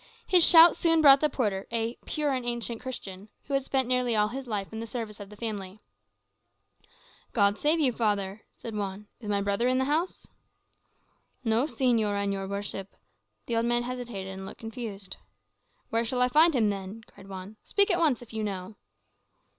His shout soon brought the porter, a "pure and ancient Christian," who had spent nearly all his life in the service of the family. "God save you, father," said Juan. "Is my brother in the house!" "No, señor and your worship," the old man hesitated, and looked confused. "Where shall I find him, then?" cried Juan; "speak at once, if you know."